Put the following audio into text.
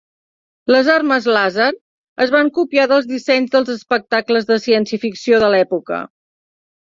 Les armes làser es van copiar dels dissenys dels espectacles de ciència ficció de l'època.